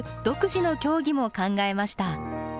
独自の競技も考えました。